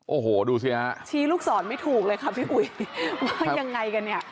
โอ้โหดูสิฮะชี้ลูกศรไม่ถูกเลยค่ะพี่อุ๋ยว่ายังไงกันเนี่ย